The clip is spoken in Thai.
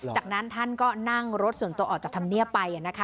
จากนั้นท่านก็นั่งรถส่วนตัวออกจากธรรมเนียบไปนะคะ